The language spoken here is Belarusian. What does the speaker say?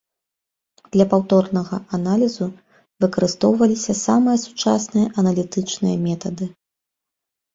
Для паўторнага аналізу выкарыстоўваліся самыя сучасныя аналітычныя метады.